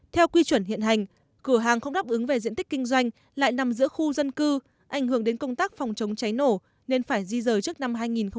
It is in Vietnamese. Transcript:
theo quy chuẩn hiện hành cửa hàng không đáp ứng về diện tích kinh doanh lại nằm giữa khu dân cư ảnh hưởng đến công tác phòng chống cháy nổ nên phải di rời trước năm hai nghìn hai mươi